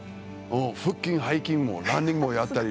腹筋、背筋もランニングもやったりして。